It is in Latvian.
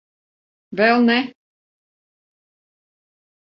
Vēl ne.